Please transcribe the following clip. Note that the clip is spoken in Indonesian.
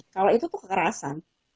kalau itu kekerasan